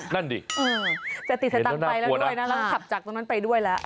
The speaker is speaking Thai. นั่นดิเอออ๋อสติสะตำไปแล้วด้วยล่ะแล้วขับจากตรงนั้นไปด้วยละ